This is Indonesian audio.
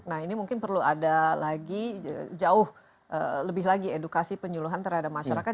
nah ini mungkin perlu ada lagi jauh lebih lagi edukasi penyuluhan terhadap masyarakat